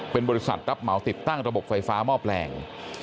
เป็นบริษัทรับเหมาติดตั้งระบบไฟฟ้าหม้อแปลง